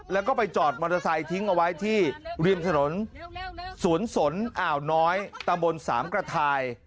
แล้วก็ไปจอดมอเตอร์ไซค์ทิ้งเอาไว้ที่ริมถนนสวนสนอ่าวน้อยตำบลสามกระทาย